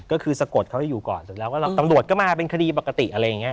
ก็คือสะกดเขาให้อยู่ก่อนเสร็จแล้วก็ตำรวจก็มาเป็นคดีปกติอะไรอย่างนี้